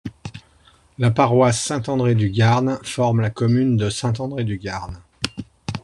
La paroisse Saint-André-du-Garn forme la commune de Saint-André-du-Garn.